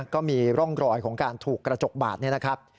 ก็มีร่องรอยของการถูกกระจกบาดนี่นะครับ